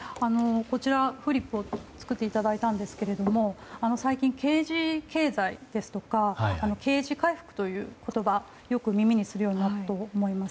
フリップを作っていただきましたが最近、Ｋ字経済ですとかＫ字回復という言葉を耳にするようになったと思います。